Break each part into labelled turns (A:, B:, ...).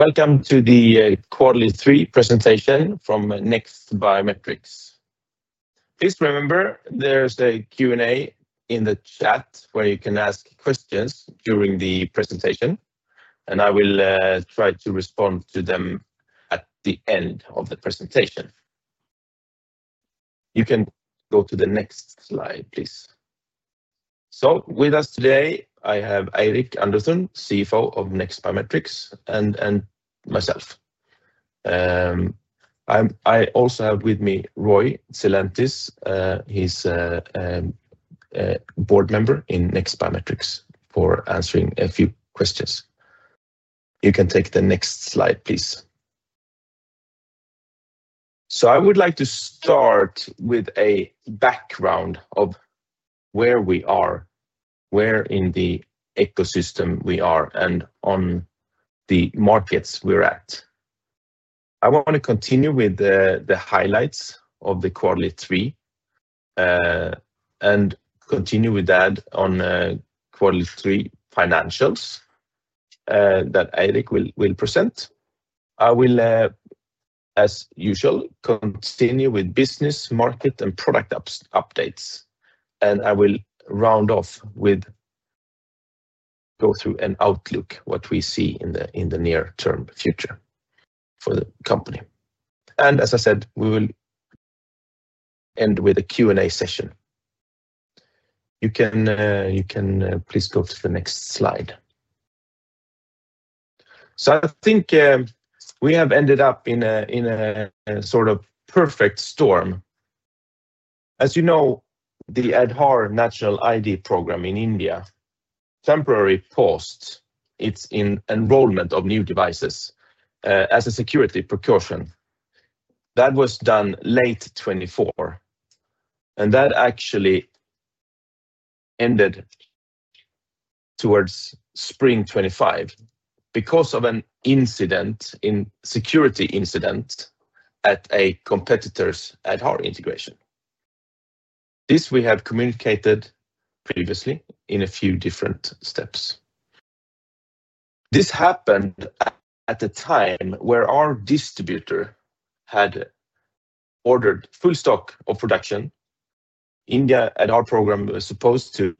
A: Welcome to the quarterly 3 presentation from Next Biometrics. Please remember, there's a Q&A in the chat where you can ask questions during the presentation, and I will try to respond to them at the end of the presentation. You can go to the next slide, please. With us today, I have Eirik Underthun, CFO of Next Biometrics, and myself. I also have with me Roy Celantis, he's a board member in Next Biometrics for answering a few questions. You can take the next slide, please. I would like to start with a background of where we are, where in the ecosystem we are, and on the markets we're at. I want to continue with the highlights of the quarterly 3 and continue with that on Quarterly 3 financials that Eirik will present. I will, as usual, continue with business, market, and product updates, and I will round off with go through an outlook, what we see in the near-term future for the company. As I said, we will end with a Q&A session. You can please go to the next slide. I think we have ended up in a sort of perfect storm. As you know, the Aadhaar National ID program in India temporarily paused its enrollment of new devices as a security precaution. That was done late 2024, and that actually ended towards spring 2025 because of an incident, a security incident at a competitor's Aadhaar integration. This we have communicated previously in a few different steps. This happened at a time where our distributor had ordered full stock of production. India Aadhaar program was supposed to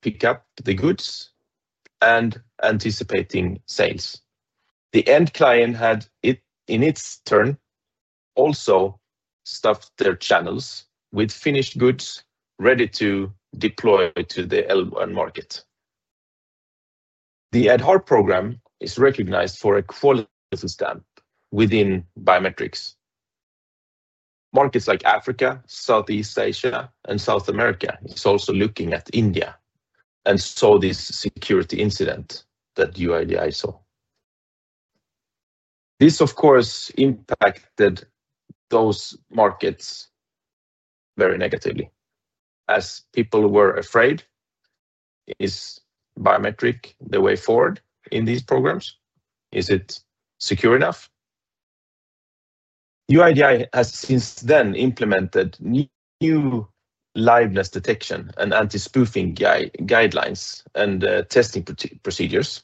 A: pick up the goods and anticipating sales. The end client had, in its turn, also stuffed their channels with finished goods ready to deploy to the L1 market. The Aadhaar program is recognized for a quality stamp within biometrics. Markets like Africa, Southeast Asia, and South America are also looking at India and saw this security incident that you saw. This, of course, impacted those markets very negatively as people were afraid. Is biometric the way forward in these programs? Is it secure enough? UIDAI has since then implemented new liveness detection and anti-spoofing guidelines and testing procedures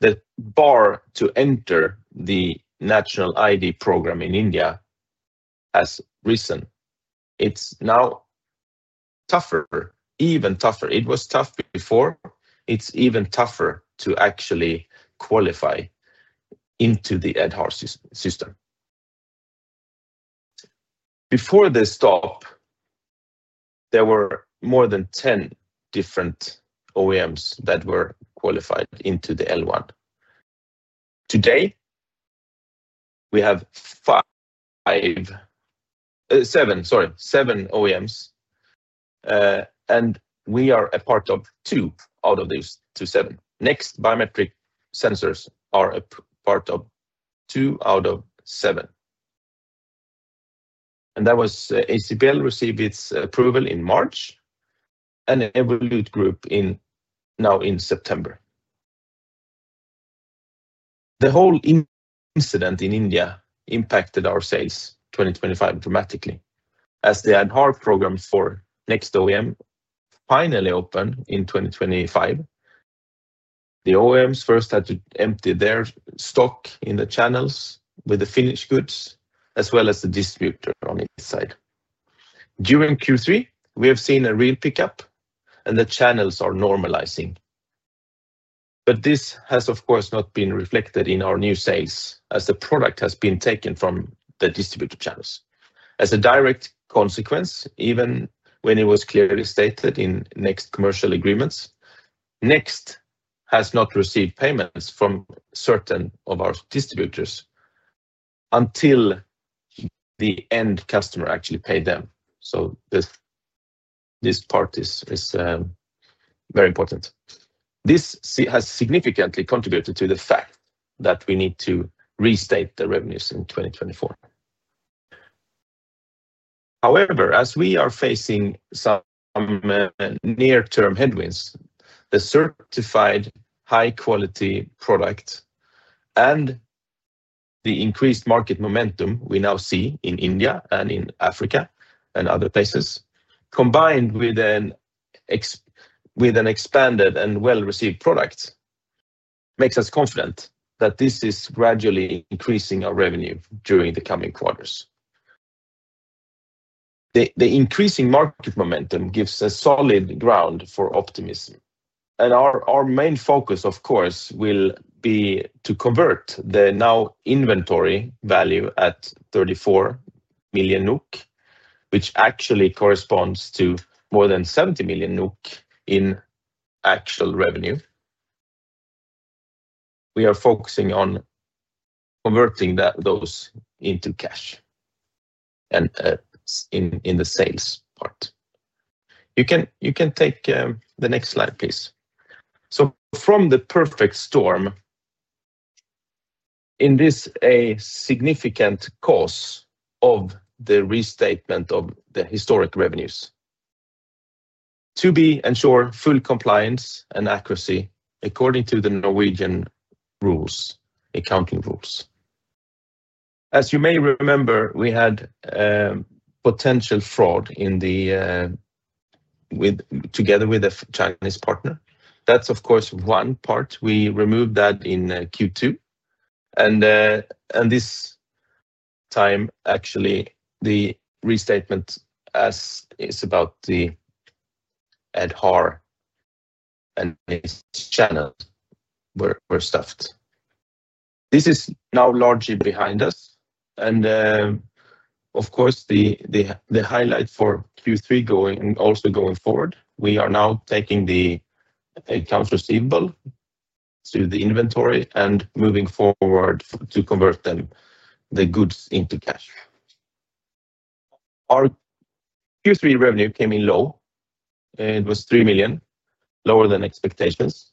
A: that bar to enter the National ID program in India as recent. It's now tougher, even tougher. It was tough before. It's even tougher to actually qualify into the Aadhaar system. Before the stop, there were more than 10 different OEMs that were qualified into the L1. Today, we have seven, sorry, seven OEMs, and we are a part of two out of these seven. NEXT Biometrics sensors are a part of two out of seven. That was ACPL received its approval in March and Evolute Group now in September. The whole incident in India impacted our sales 2025 dramatically as the Aadhaar program for NEXT OEM finally opened in 2025. The OEMs first had to empty their stock in the channels with the finished goods as well as the distributor on each side. During Q3, we have seen a real pickup and the channels are normalizing. This has, of course, not been reflected in our new sales as the product has been taken from the distributor channels. As a direct consequence, even when it was clearly stated in Next commercial agreements, Next has not received payments from certain of our distributors until the end customer actually paid them. This part is very important. This has significantly contributed to the fact that we need to restate the revenues in 2024. However, as we are facing some near-term headwinds, the certified high-quality product and the increased market momentum we now see in India and in Africa and other places, combined with an expanded and well-received product, makes us confident that this is gradually increasing our revenue during the coming quarters. The increasing market momentum gives a solid ground for optimism. Our main focus, of course, will be to convert the now inventory value at 34 million NOK, which actually corresponds to more than 70 million NOK in actual revenue. We are focusing on converting those into cash in the sales part. You can take the next slide, please. From the perfect storm, is this a significant cause of the restatement of the historic revenues? To be ensured full compliance and accuracy according to the Norwegian accounting rules. As you may remember, we had potential fraud together with a Chinese partner. That's, of course, one part. We removed that in Q2. This time, actually, the restatement is about the Aadhaar and its channels were stuffed. This is now largely behind us. Of course, the highlight for Q3 also going forward, we are now taking the accounts receivable to the inventory and moving forward to convert the goods into cash. Our Q3 revenue came in low. It was 3 million, lower than expectations.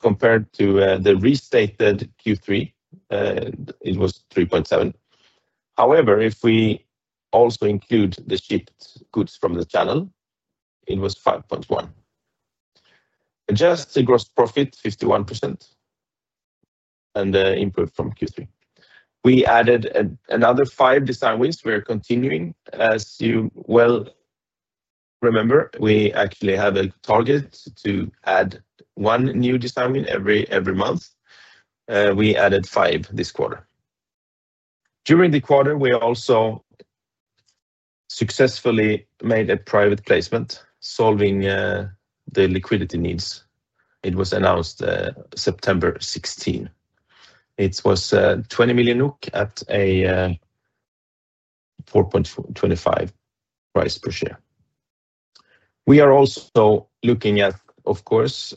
A: Compared to the restated Q3, it was 3.7 million. However, if we also include the shipped goods from the channel, it was 5.1. Adjusted gross profit, 51%, and improved from Q3. We added another five design wins. We are continuing. As you well remember, we actually have a target to add one new design win every month. We added five this quarter. During the quarter, we also successfully made a private placement solving the liquidity needs. It was announced September 16. It was 20 million NOK at a 4.25 price per share. We are also looking at, of course,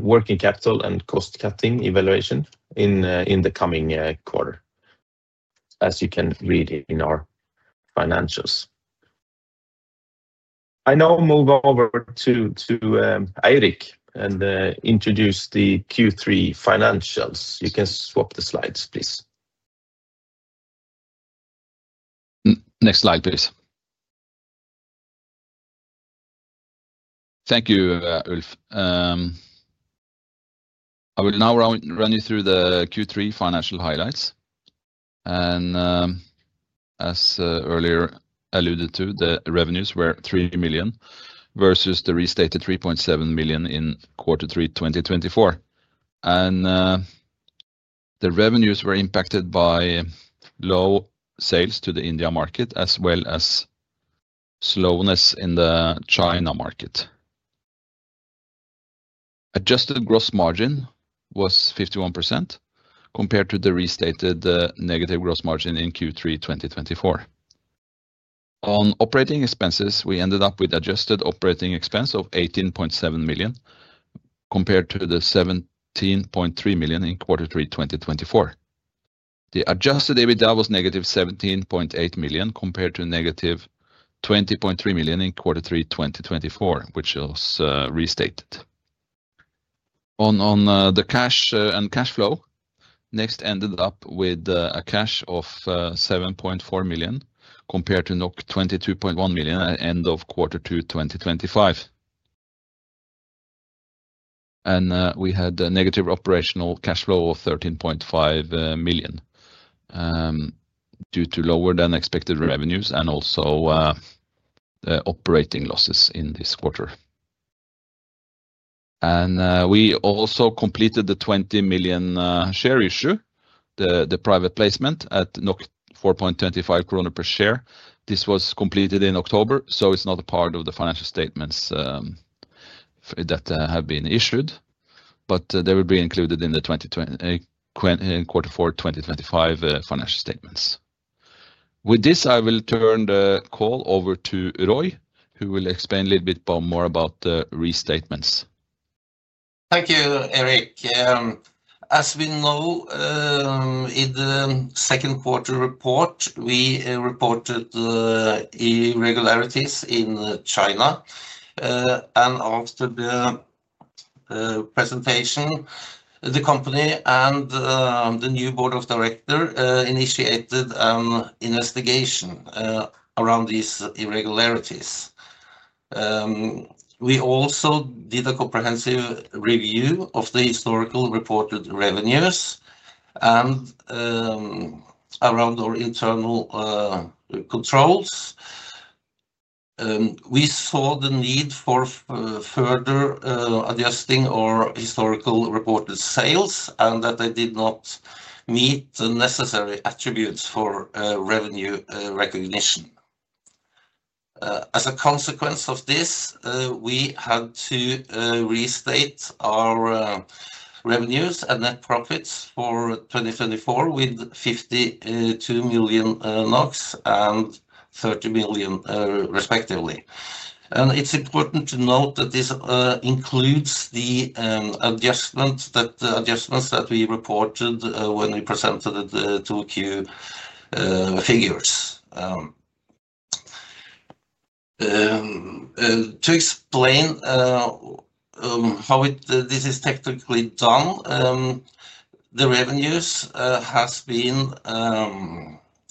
A: working capital and cost-cutting evaluation in the coming quarter, as you can read in our financials. I now move over to Eirik and introduce the Q3 financials. You can swap the slides, please.
B: Next slide, please. Thank you, Ulf. I will now run you through the Q3 financial highlights. As earlier alluded to, the revenues were 3 million versus the restated 3.7 million in Q3 2024. The revenues were impacted by low sales to the India market as well as slowness in the China market. Adjusted gross margin was 51% compared to the restated negative gross margin in Q3 2024. On operating expenses, we ended up with adjusted operating expense of 18.7 million compared to 17.3 million in Q3 2024. The adjusted EBITDA was negative 17.8 million compared to negative 20.3 million in Q3 2024, which was restated. On the cash and cash flow, Next ended up with a cash of 7.4 million compared to 22.1 million at the end of Q2 2025. We had a negative operational cash flow of 13.5 million due to lower than expected revenues and also operating losses in this quarter. We also completed the 20 million share issue, the private placement at 4.25 krone per share. This was completed in October, so it is not a part of the financial statements that have been issued, but they will be included in the quarter four 2025 financial statements. With this, I will turn the call over to Roy, who will explain a little bit more about the restatements.
C: Thank you, Eirik. As we know, in the second quarter report, we reported irregularities in China. After the presentation, the company and the new board of directors initiated an investigation around these irregularities. We also did a comprehensive review of the historical reported revenues and around our internal controls. We saw the need for further adjusting our historical reported sales and that they did not meet the necessary attributes for revenue recognition. As a consequence of this, we had to restate our revenues and net profits for 2024 with 52 million NOK and 30 million, respectively. It is important to note that this includes the adjustment that we reported when we presented it to Q figures. To explain how this is technically done, the revenues have been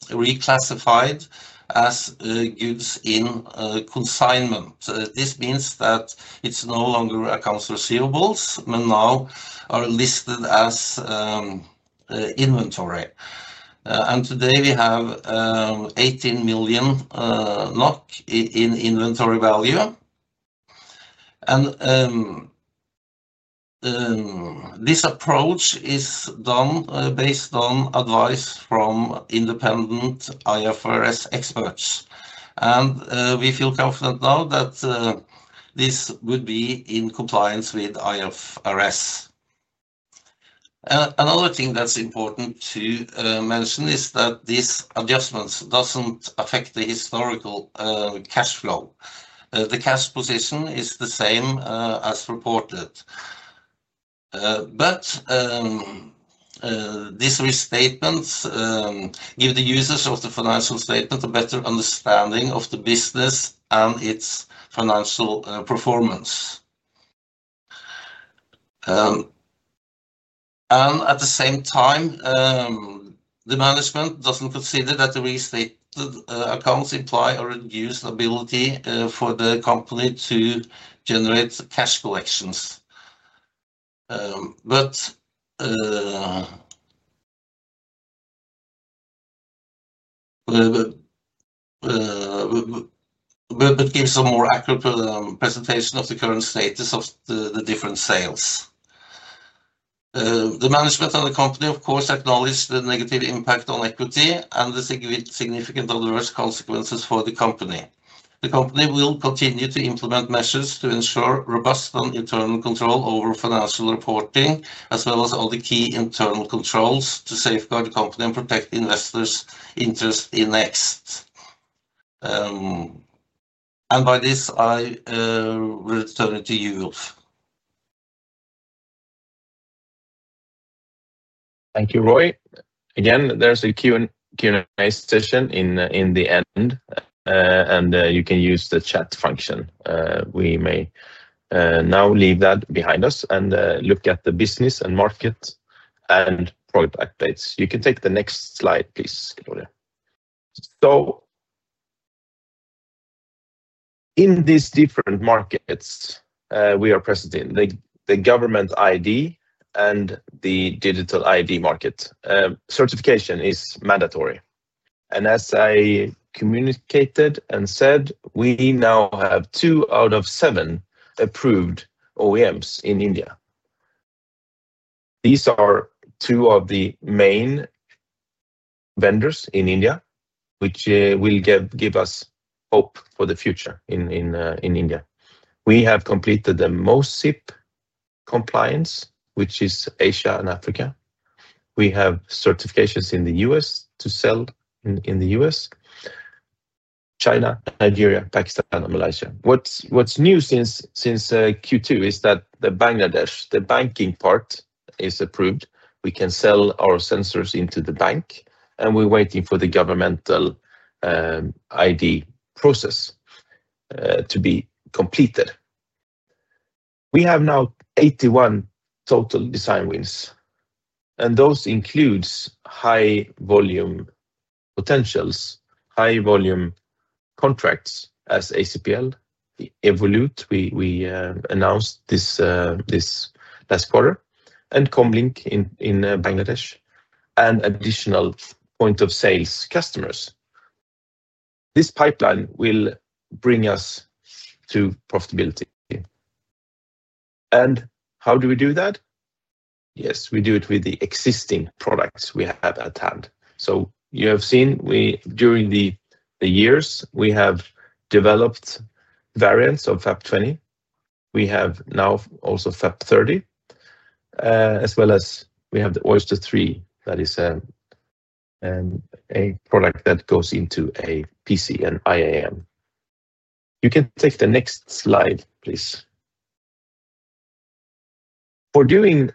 C: reclassified as goods in consignment. This means that it is no longer accounts receivables, but now are listed as inventory. Today, we have 18 million NOK in inventory value. This approach is done based on advice from independent IFRS experts. We feel confident now that this would be in compliance with IFRS. Another thing that's important to mention is that these adjustments do not affect the historical cash flow. The cash position is the same as reported. These restatements give the users of the financial statement a better understanding of the business and its financial performance. At the same time, the management does not consider that the restated accounts imply a reduced ability for the company to generate cash collections. It gives a more accurate presentation of the current status of the different sales. The management of the company, of course, acknowledged the negative impact on equity and the significant adverse consequences for the company. The company will continue to implement measures to ensure robust and internal control over financial reporting, as well as other key internal controls to safeguard the company and protect investors' interests in Next. By this, I will turn it to you, Ulf.
A: Thank you, Roy. Again, there's a Q&A session in the end, and you can use the chat function. We may now leave that behind us and look at the business and market and product updates. You can take the next slide, please, Gloria. In these different markets we are present in, the government ID and the digital ID market, certification is mandatory. As I communicated and said, we now have two out of seven approved OEMs in India. These are two of the main vendors in India, which will give us hope for the future in India. We have completed the MOSIP compliance, which is Asia and Africa. We have certifications in the US to sell in the US: China, Nigeria, Pakistan, and Malaysia. What's new since Q2 is that the Bangladesh, the banking part, is approved. We can sell our sensors into the bank, and we're waiting for the governmental ID process to be completed. We have now 81 total design wins, and those include high-volume potentials, high-volume contracts as ACPL, Evolute, we announced this last quarter, and Comlink in Bangladesh, and additional point-of-sales customers. This pipeline will bring us to profitability. How do we do that? Yes, we do it with the existing products we have at hand. You have seen during the years, we have developed variants of FAB20. We have now also FAB30, as well as we have the Oyster 3 that is a product that goes into a PC, an IAM. You can take the next slide, please. For doing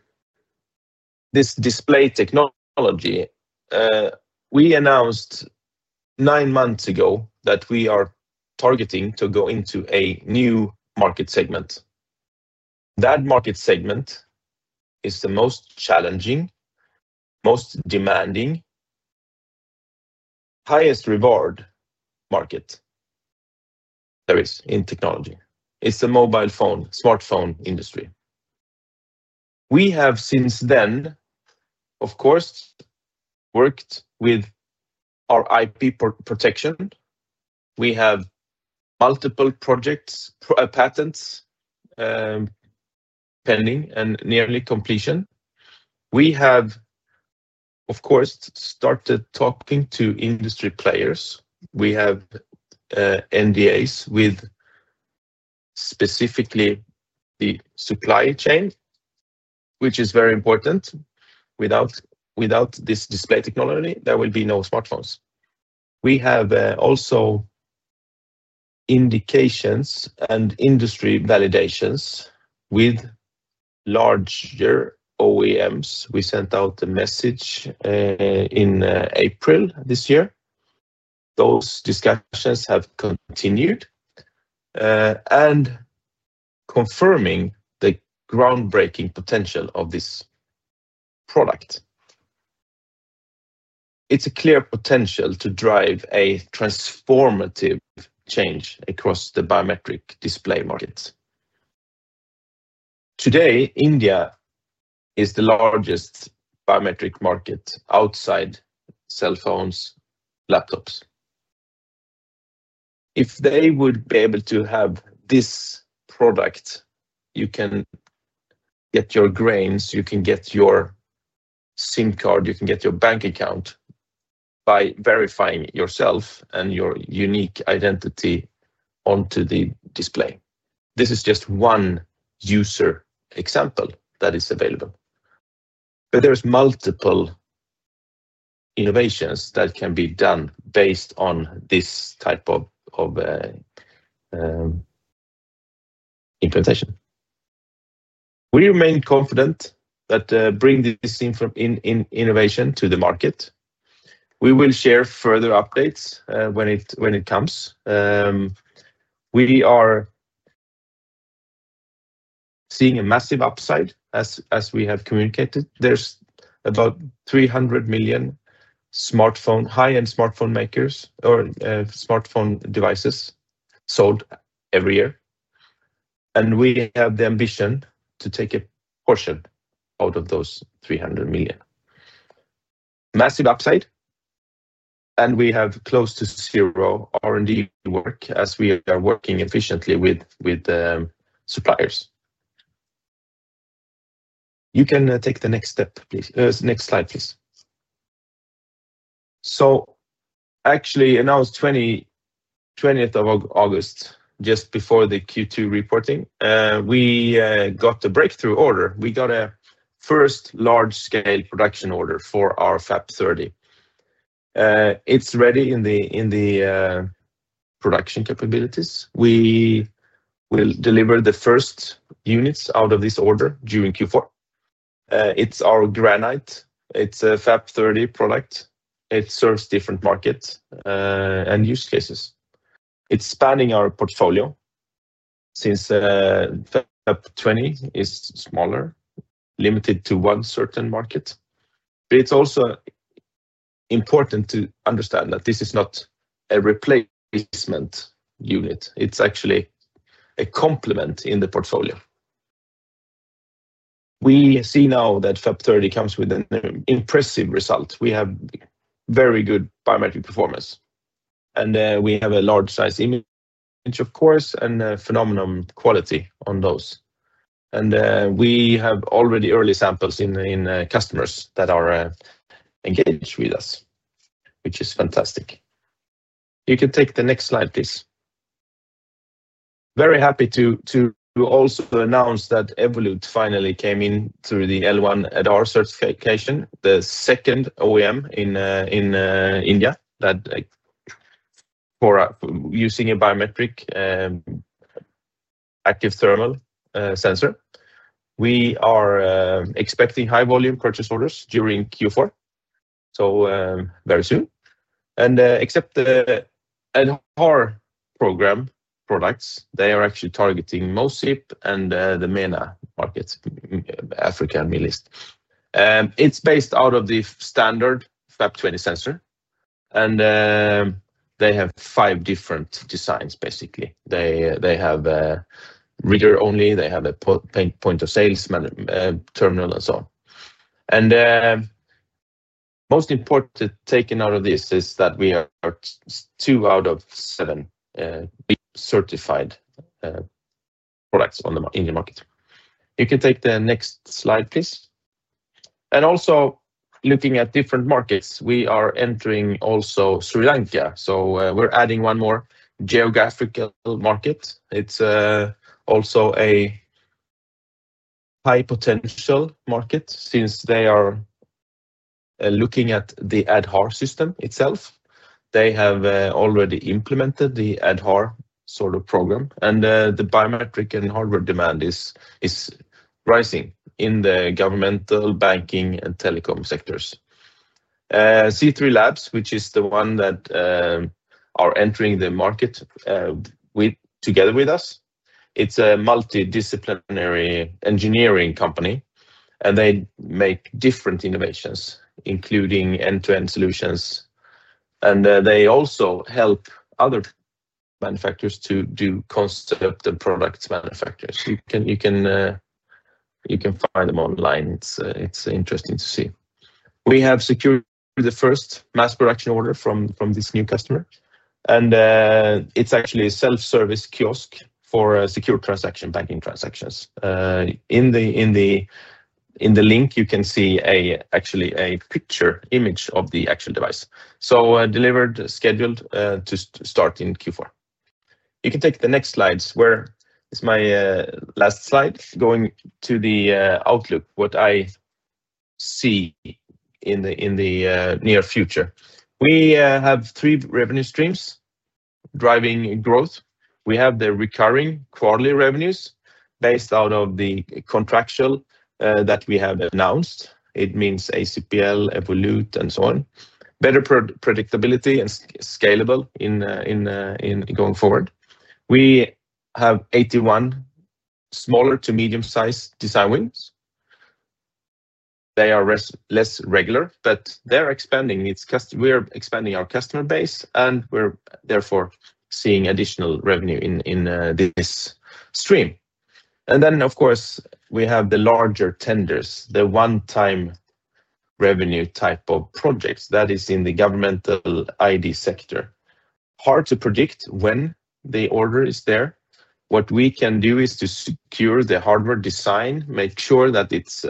A: this display technology, we announced nine months ago that we are targeting to go into a new market segment. That market segment is the most challenging, most demanding, highest-reward market there is in technology. It's the mobile phone, smartphone industry. We have since then, of course, worked with our IP protection. We have multiple projects, patents pending and nearly completion. We have, of course, started talking to industry players. We have NDAs with specifically the supply chain, which is very important. Without this display technology, there will be no smartphones. We have also indications and industry validations with larger OEMs. We sent out a message in April this year. Those discussions have continued and confirming the groundbreaking potential of this product. It's a clear potential to drive a transformative change across the biometric display market. Today, India is the largest biometric market outside cell phones, laptops. If they would be able to have this product, you can get your grains, you can get your SIM card, you can get your bank account by verifying yourself and your unique identity onto the display. This is just one user example that is available. There are multiple innovations that can be done based on this type of implementation. We remain confident that bringing this innovation to the market. We will share further updates when it comes. We are seeing a massive upside as we have communicated. There are about 300 million high-end smartphone makers or smartphone devices sold every year. We have the ambition to take a portion out of those 300 million. Massive upside, and we have close to zero R&D work as we are working efficiently with suppliers. You can take the next step, please. Next slide, please. Actually, on August 20th, just before the Q2 reporting, we got a breakthrough order. We got a first large-scale production order for our FAB30. It's ready in the production capabilities. We will deliver the first units out of this order during Q4. It's our granite. It's a FAB30 product. It serves different markets and use cases. It's spanning our portfolio since FAB20 is smaller, limited to one certain market. It's also important to understand that this is not a replacement unit. It's actually a complement in the portfolio. We see now that FAB30 comes with an impressive result. We have very good biometric performance. We have a large-size image, of course, and phenomenal quality on those. We have already early samples in customers that are engaged with us, which is fantastic. You can take the next slide, please. Very happy to also announce that Evolute finally came in through the L1 Aadhaar certification, the second OEM in India that is using a biometric active thermal sensor. We are expecting high-volume purchase orders during Q4, so very soon. Except the Aadhaar program products, they are actually targeting MOSIP and the MENA markets, Africa and Middle East. It's based out of the standard FAB20 sensor. They have five different designs, basically. They have reader-only, they have a point-of-sales terminal, and so on. The most important take-out of this is that we are two out of seven certified products in the market. You can take the next slide, please. Also looking at different markets, we are entering also Sri Lanka. We're adding one more geographical market. It's also a high-potential market since they are looking at the Aadhaar system itself. They have already implemented the Aadhaar sort of program. The biometric and hardware demand is rising in the governmental, banking, and telecom sectors. C3 Labs, which is the one that are entering the market together with us, it's a multidisciplinary engineering company. They make different innovations, including end-to-end solutions. They also help other manufacturers to do concept and product manufacturers. You can find them online. It's interesting to see. We have secured the first mass production order from this new customer. It's actually a self-service kiosk for secure transaction banking transactions. In the link, you can see actually a picture, image of the actual device. Delivered, scheduled to start in Q4. You can take the next slides, where it's my last slide, going to the outlook, what I see in the near future. We have three revenue streams driving growth. We have the recurring quarterly revenues based out of the contractual that we have announced. It means ACPL, Evolute, and so on. Better predictability and scalable in going forward. We have 81 smaller to medium-sized design wins. They are less regular, but they're expanding. We're expanding our customer base, and we're therefore seeing additional revenue in this stream. Then, of course, we have the larger tenders, the one-time revenue type of projects that is in the governmental ID sector. Hard to predict when the order is there. What we can do is to secure the hardware design, make sure that it's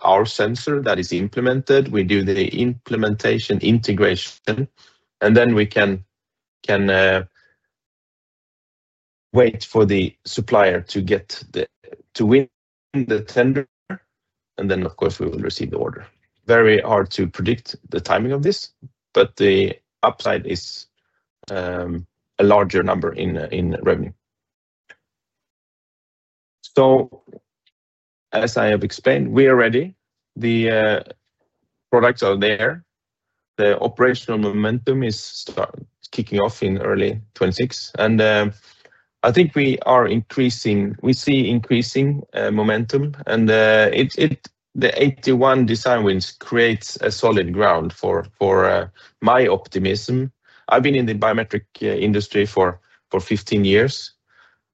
A: our sensor that is implemented. We do the implementation integration, and then we can wait for the supplier to win the tender. Then, of course, we will receive the order. Very hard to predict the timing of this, but the upside is a larger number in revenue. As I have explained, we are ready. The products are there. The operational momentum is kicking off in early 2026. I think we are increasing; we see increasing momentum. The 81 design wins create a solid ground for my optimism. I have been in the biometric industry for 15 years.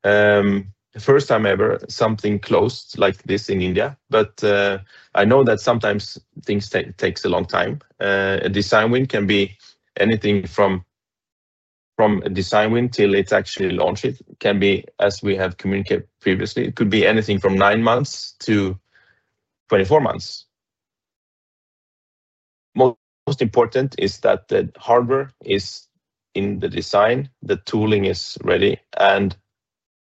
A: The first time ever something closed like this in India. I know that sometimes things take a long time. A design win can be anything from a design win till it is actually launched. It can be, as we have communicated previously, anything from nine months to 24 months. Most important is that the hardware is in the design, the tooling is ready, and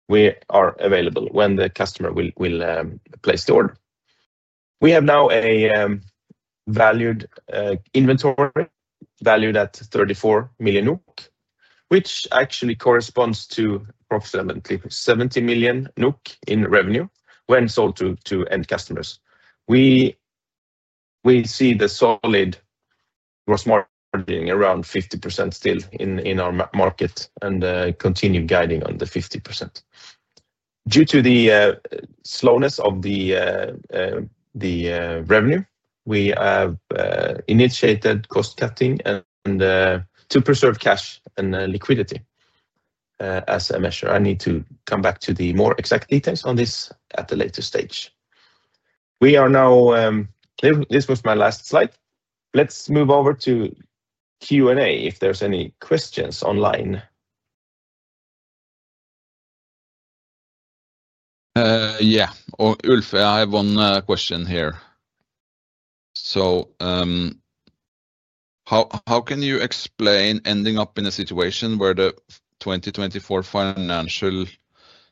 A: we are available when the customer will place the order. We have now a valued inventory valued at 34 million NOK, which actually corresponds to approximately 70 million NOK in revenue when sold to end customers. We see the solid gross margin around 50% still in our market and continue guiding on the 50%. Due to the slowness of the revenue, we have initiated cost-cutting to preserve cash and liquidity as a measure. I need to come back to the more exact details on this at a later stage. We are now—this was my last slide. Let's move over to Q&A if there are any questions online.
B: Yeah. Ulf, I have one question here. How can you explain ending up in a situation where the 2024 financial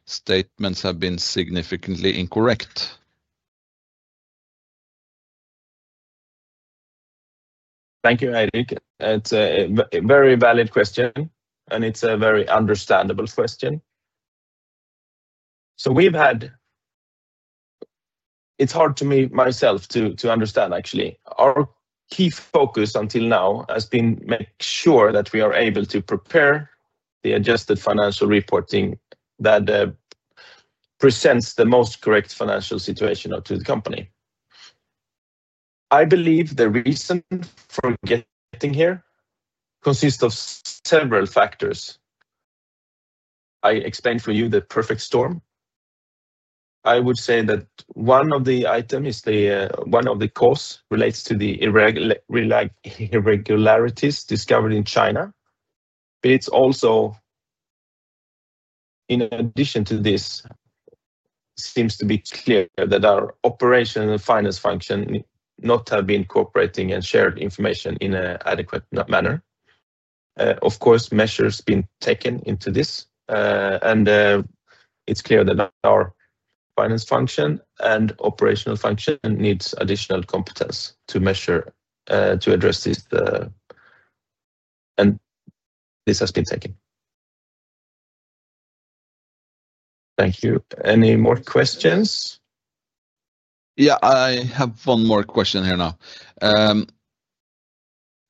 B: statements have been significantly incorrect?
A: Thank you, Eirik. It's a very valid question, and it's a very understandable question. We've had—it's hard for myself to understand, actually. Our key focus until now has been to make sure that we are able to prepare the adjusted financial reporting that presents the most correct financial situation to the company. I believe the reason for getting here consists of several factors. I explained for you the perfect storm. I would say that one of the items, one of the costs, relates to the irregularities discovered in China. It is also, in addition to this, clear that our operational and finance function have not been cooperating and shared information in an adequate manner. Of course, measures have been taken into this. It is clear that our finance function and operational function need additional competence to address this. This has been taken.
B: Thank you. Any more questions?
A: Yeah, I have one more question here now.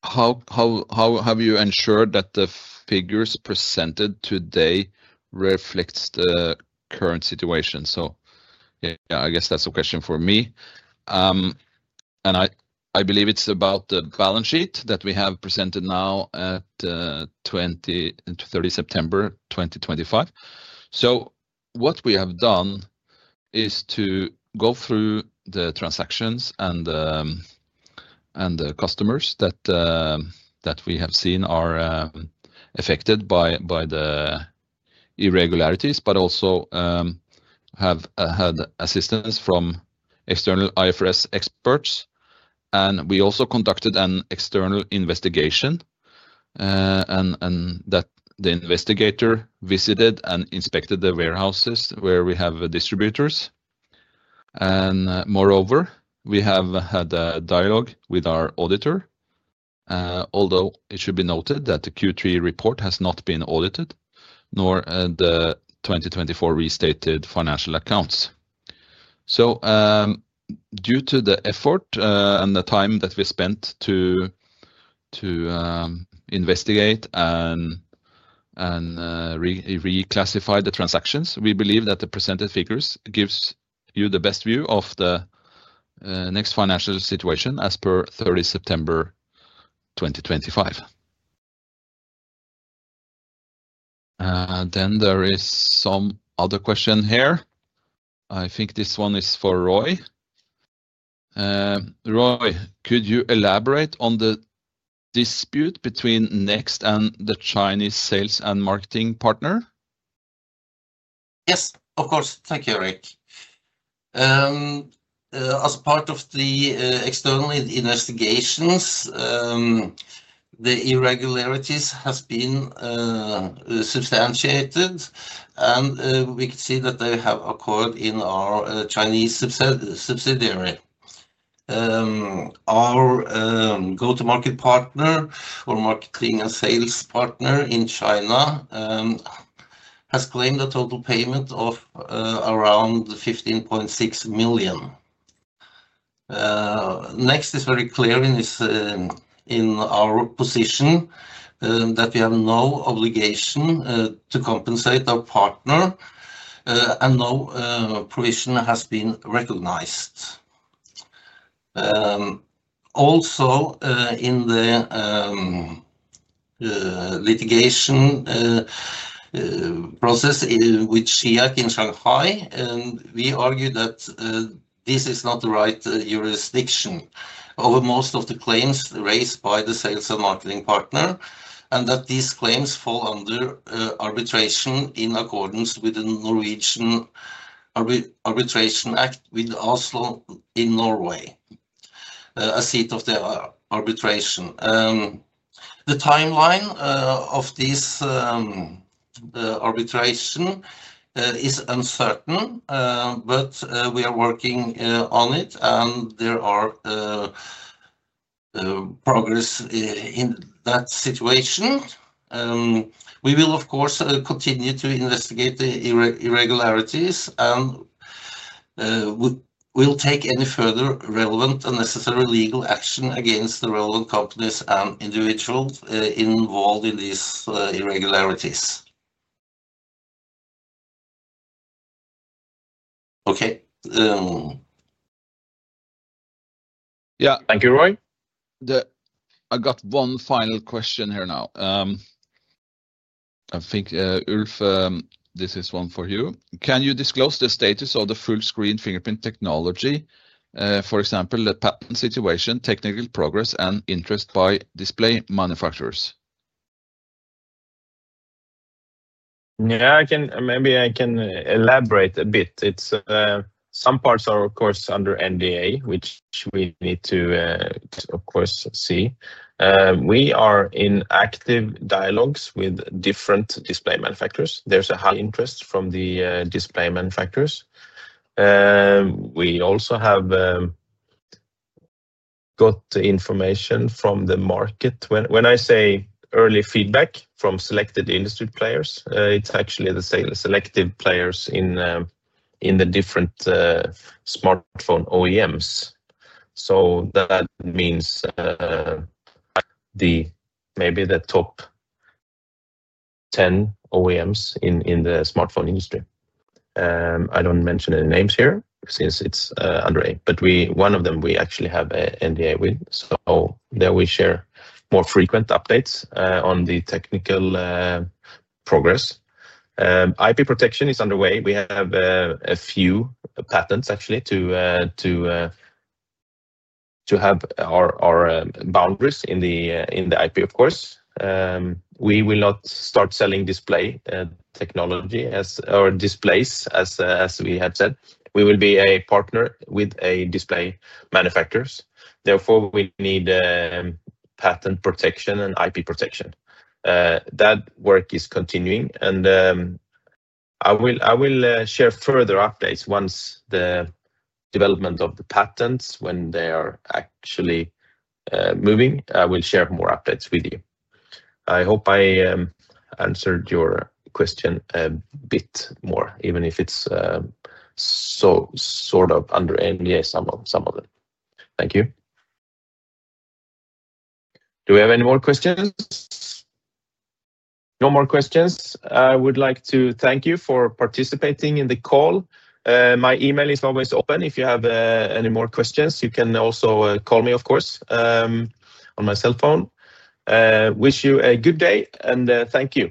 A: How have you ensured that the figures presented today reflect the current situation? Yeah, I guess that's a question for me. I believe it's about the balance sheet that we have presented now at 30 September 2025. What we have done is to go through the transactions and the customers that we have seen are affected by the irregularities, but also have had assistance from external IFRS experts. We also conducted an external investigation and the investigator visited and inspected the warehouses where we have distributors. Moreover, we have had a dialogue with our auditor, although it should be noted that the Q3 report has not been audited, nor the 2024 restated financial accounts. Due to the effort and the time that we spent to investigate and reclassify the transactions, we believe that the presented figures give you the best view of the NEXT financial situation as per 30 September 2025.
B: There is some other question here. I think this one is for Roy. Roy, could you elaborate on the dispute between Next and the Chinese sales and marketing partner?
C: Yes, of course. Thank you, Eirik. As part of the external investigations, the irregularities have been substantiated, and we can see that they have occurred in our Chinese subsidiary. Our go-to-market partner or marketing and sales partner in China has claimed a total payment of around 15.6 million. Next is very clear in our position that we have no obligation to compensate our partner, and no provision has been recognized. Also, in the litigation process with SIAC in Shanghai, we argue that this is not the right jurisdiction over most of the claims raised by the sales and marketing partner, and that these claims fall under arbitration in accordance with the Norwegian Arbitration Act, with Oslo in Norway, a seat of the arbitration. The timeline of this arbitration is uncertain, but we are working on it, and there is progress in that situation. We will, of course, continue to investigate the irregularities and will take any further relevant and necessary legal action against the relevant companies and individuals involved in these irregularities.
B: Okay. Yeah. Thank you, Roy. I got one final question here now. I think, Ulf, this is one for you. Can you disclose the status of the full-screen fingerprint technology, for example, the patent situation, technical progress, and interest by display manufacturers?
A: Yeah, maybe I can elaborate a bit. Some parts are, of course, under NDA, which we need to, of course, see. We are in active dialogues with different display manufacturers. There's a high interest from the display manufacturers. We also have got information from the market. When I say early feedback from selected industry players, it's actually the selective players in the different smartphone OEMs. That means maybe the top 10 OEMs in the smartphone industry. I don't mention any names here since it's under NDA, but one of them we actually have an NDA with. There we share more frequent updates on the technical progress. IP protection is underway. We have a few patents, actually, to have our boundaries in the IP, of course. We will not start selling display technology or displays, as we have said. We will be a partner with display manufacturers. Therefore, we need patent protection and IP protection. That work is continuing. I will share further updates once the development of the patents, when they are actually moving, I will share more updates with you. I hope I answered your question a bit more, even if it's sort of under NDA, some of them.
B: Thank you. Do we have any more questions? No more questions. I would like to thank you for participating in the call. My email is always open. If you have any more questions, you can also call me, of course, on my cell phone. Wish you a good day, and thank you.